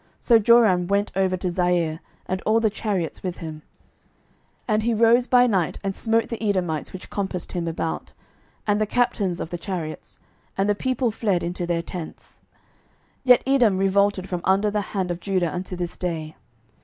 12:008:021 So Joram went over to Zair, and all the chariots with him: and he rose by night, and smote the Edomites which compassed him about, and the captains of the chariots: and the people fled into their tents. 12:008:022 Yet Edom revolted from under the hand of Judah unto this day.